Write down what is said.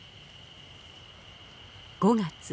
５月。